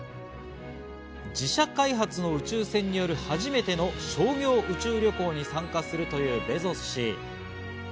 自社開発の宇宙船による初めての商業宇宙旅行に参加するというベゾス氏。